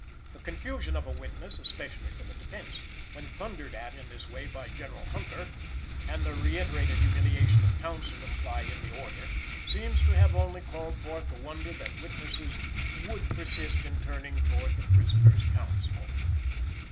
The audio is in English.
The confusion of a witness, especially for the defense, when thundered at in this way by General Hunter, and the reiterated humiliation of counsel implied in the order, seem to have only called forth the wonder that witnesses "would persist in turning towards the prisoners' counsel!"